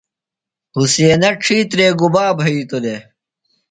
حُسینہ ڇِھیترے گُبا بھئِیتوۡ دےۡ؟